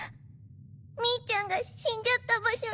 ミーちゃんが死んじゃった場所に。